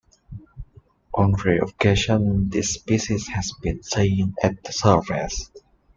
On rare occasions, this species has been seen at the surface.